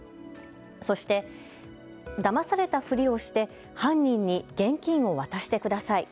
そして、だまされたふりをして犯人に現金を渡してください。